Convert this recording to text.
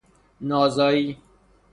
نازایی